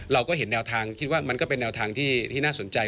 เราก็เห็นแนวทางคิดว่ามันก็เป็นแนวทางที่น่าสนใจ